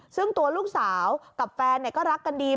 ซึ่งตัวลูกสาวกับแฟนก็รักกันดี